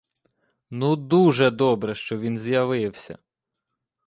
Ну, дуже добре, що він з'явився!